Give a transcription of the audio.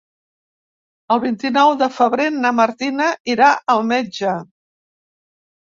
El vint-i-nou de febrer na Martina irà al metge.